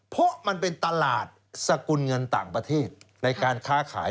เพราะมันเป็นตลาดสกุลเงินต่างประเทศในการค้าขาย